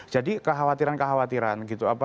jadi kekhawatiran kekhawatiran gitu